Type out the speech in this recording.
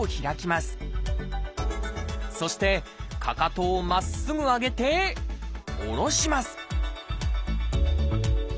そしてかかとをまっすぐ上げて下ろします